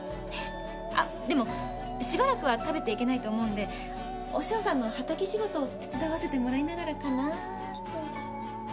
あっでもしばらくは食べていけないと思うんで和尚さんの畑仕事を手伝わせてもらいながらかなと。